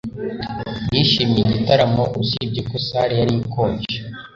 Nishimiye igitaramo usibye ko salle yari ikonje